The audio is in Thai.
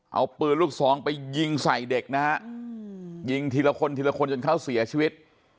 เอาปืนลูกซองไปยิงใส่เด็กนะฮะยิงทีละคนทีละคนจนเขาเสียชีวิต